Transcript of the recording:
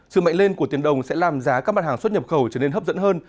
sự mạnh lên của tiền đồng sẽ làm giá các mặt hàng xuất nhập khẩu trở nên hấp dẫn hơn